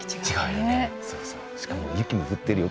しかも雪も降ってるよ